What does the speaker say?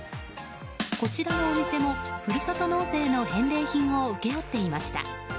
こちらのお店もふるさと納税の返礼品も請け負っていました。